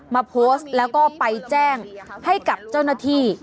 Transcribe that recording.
มาโพสต์แล้วก็ไปแจ้งให้กับเจ้าหน้าที่